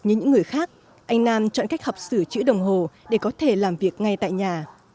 như những người khác anh nam chọn cách học sửa chữ đồng hồ để có thể làm việc ngay tại nhà